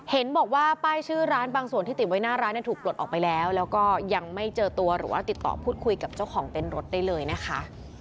เห็นบอกว่าป้ายชื่อร้านบางส่วนที่ติดไว้หน้าร้านถูกปลดออกไปแล้วแล้วก็ยังไม่เจอตัวหรือว่าติดต่อพูดคุยกับเจ้าของเต้นรถได้เลยนะคะ